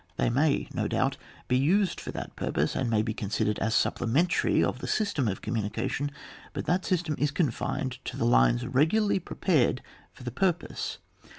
They may no doubt be used for that purpose, and may be considered as supplementary of the system of communication, but that system is confined to the lines regularly prepared for the purpose.